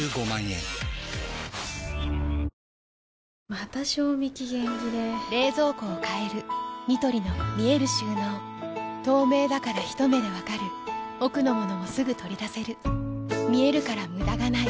また賞味期限切れ冷蔵庫を変えるニトリの見える収納透明だからひと目で分かる奥の物もすぐ取り出せる見えるから無駄がないよし。